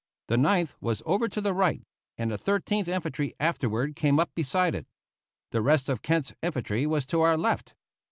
The Ninth was over to the right, and the Thirteenth Infantry afterward came up beside it. The rest of Kent's infantry was to our left.